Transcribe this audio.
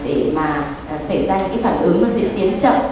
để mà xảy ra những cái phản ứng nó diễn tiến chậm